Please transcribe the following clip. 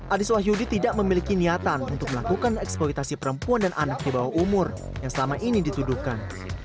adis wahyudi tidak memiliki niatan untuk melakukan eksploitasi perempuan dan anak di bawah umur yang selama ini dituduhkan